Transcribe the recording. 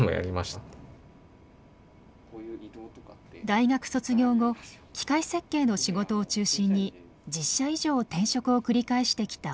大学卒業後機械設計の仕事を中心に１０社以上転職を繰り返してきた小野さん。